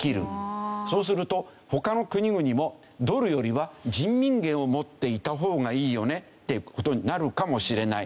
そうすると他の国々もドルよりは人民元を持っていた方がいいよねっていう事になるかもしれない。